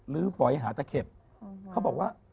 ฝอยหาตะเข็บเขาบอกว่า